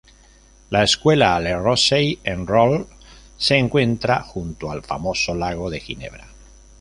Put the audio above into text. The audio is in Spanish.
La escuela Le Rosey en Rolle se encuentra junto al famoso lago de Ginebra.